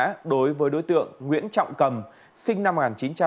hội khẩu truy nã đối với đối tượng nguyễn trọng cầm sinh năm một nghìn chín trăm năm mươi năm